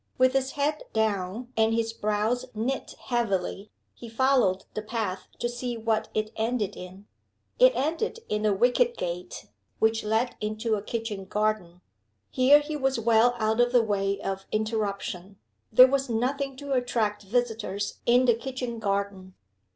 With his head down and his brows knit heavily, he followed the path to see what it ended in. It ended in a wicket gate which led into a kitchen garden. Here he was well out of the way of interruption: there was nothing to attract visitors in the kitchen garden.